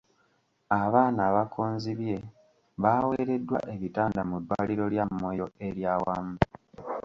Abaana abakonzibye baaweereddwa ebitanda mu ddwaliro lya Moyo ery'awamu.